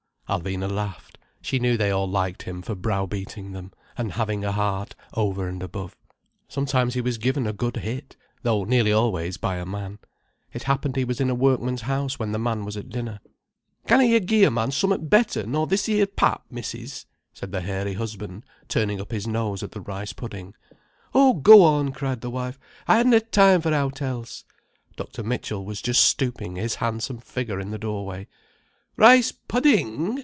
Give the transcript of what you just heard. Alvina laughed. She knew they all liked him for browbeating them, and having a heart over and above. Sometimes he was given a good hit—though nearly always by a man. It happened he was in a workman's house when the man was at dinner. "Canna yer gi'e a man summat better nor this 'ere pap, Missis?" said the hairy husband, turning up his nose at the rice pudding. "Oh go on," cried the wife. "I hadna time for owt else." Dr. Mitchell was just stooping his handsome figure in the doorway. "Rice pudding!"